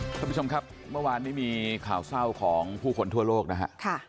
คุณผู้ชมครับเมื่อวานนี้มีข่าวเศร้าของผู้คนทั่วโลกนะฮะ